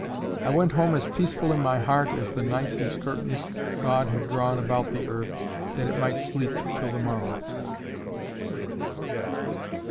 I went home as peaceful in my heart as the night whose curtains God had drawn about the earth that it might sleep till the morrow.